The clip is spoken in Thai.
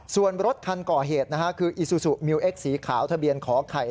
ส่วนรถคันก่อเหตุนะฮะคืออีซูซูมิวเอ็กสีขาวทะเบียนขอไข่